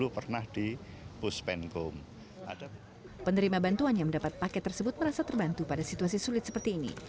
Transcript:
penerima bantuan yang mendapat paket tersebut merasa terbantu pada situasi sulit seperti ini